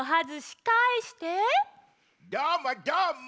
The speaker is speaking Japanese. どーもどーも！